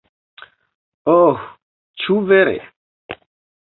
Oh ĉu vere?